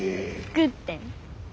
作ってん。